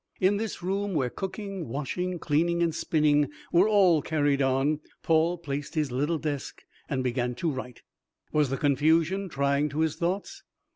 In this room, where cooking, washing, cleaning, and spinning were all carried on, Paul placed his little desk and began to write. Was the confusion trying to his thoughts?